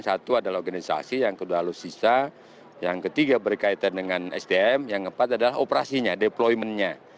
satu adalah organisasi yang kedua alutsisa yang ketiga berkaitan dengan sdm yang keempat adalah operasinya deploymentnya